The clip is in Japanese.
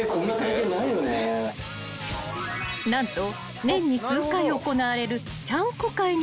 ［何と］